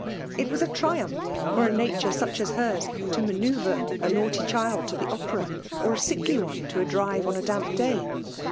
It was a triumph, for a nature such as hers, to manoeuvre a naughty child to the Opera, or a siclcly one to a drive on a damp day.